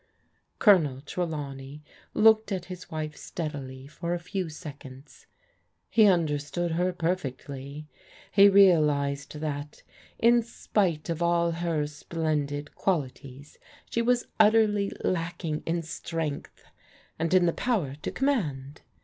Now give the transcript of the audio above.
Colonel Trelawney looked at his wife steadily for a few seconds. He understood her perfectly. He real ized that, in spite of all her splendid qualities, she was utterly lacking in strength, and in the power to command.